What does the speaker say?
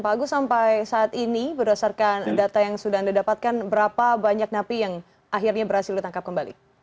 pak agus sampai saat ini berdasarkan data yang sudah anda dapatkan berapa banyak napi yang akhirnya berhasil ditangkap kembali